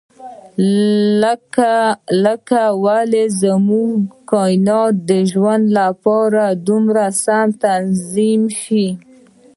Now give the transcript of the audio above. لکه ولې زموږ کاینات د ژوند لپاره دومره سم تنظیم شوي.